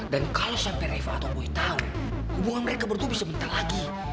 dan kalau sampe reva atau boy tau hubungan mereka berdua bisa mental lagi